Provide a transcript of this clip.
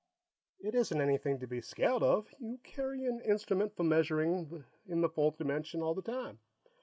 "It isn't anything to be scared of. You carry an instrument for measuring in the fourth dimension all the time.